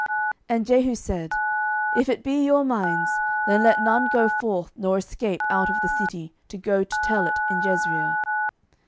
And Jehu said, If it be your minds, then let none go forth nor escape out of the city to go to tell it in Jezreel.